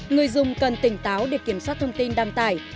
người dùng cần tỉnh táo để kiểm soát thông tin đăng tải